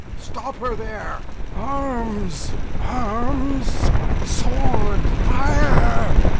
Stop her there! Arms, arms! sword! fire!